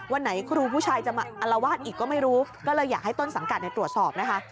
วันไหนครูผู้ชายจะมาอลวาดอีกก็ไม่รู้ก็เลยอยากให้ต้นสังกัดตรวจสอบนะคะ